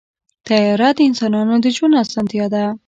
طیاره د انسانانو د ژوند اسانتیا ده.